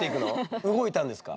動いたんですか？